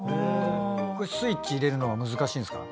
スイッチ入れるのは難しいんですか？